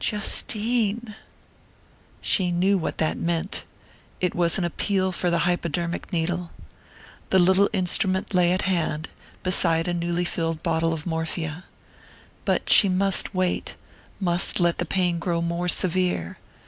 "Justine " She knew what that meant: it was an appeal for the hypodermic needle. The little instrument lay at hand, beside a newly filled bottle of morphia. But she must wait must let the pain grow more severe.